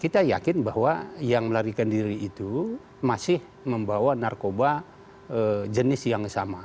kita yakin bahwa yang melarikan diri itu masih membawa narkoba jenis yang sama